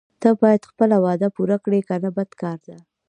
ته باید خپله وعده پوره کړې کنه بد کار ده.